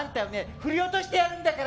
振り落としてやるんだから。